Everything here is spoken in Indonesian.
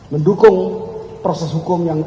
mendukung proses hukum yang